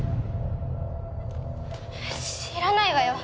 知らないわよ。